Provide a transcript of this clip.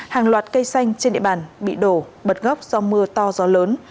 hàng loạt cây xanh trên địa bàn bị đổ bật gốc do mưa to gió lớn